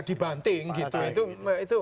dibanting gitu itu